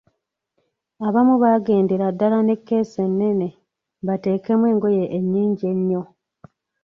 Abamu baagendera ddala ne keesi ennene bateekemu engoye ennyingi ennyo.